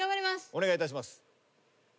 お願いいたします。